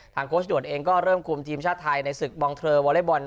ทางโค้ชหน่วนเองเริ่มกลุ่มทีมชาติไทยในศึกบองเทอร์บอเลตบอล